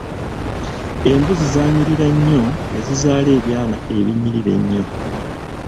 Embuzi zaanyirira nnyo nezizaala ebyana ebinyirira ennyo.